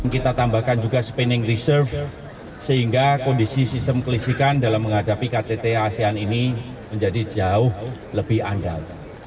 kita tambahkan juga spinning reserve sehingga kondisi sistem kelissikan dalam menghadapi ktt asean ini menjadi jauh lebih andal